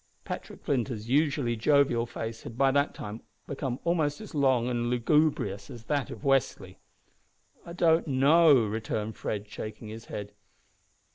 Patrick Flinders's usually jovial face had by that time become almost as long and lugubrious as that of Westly. "I don't know," returned Fred, shaking his head.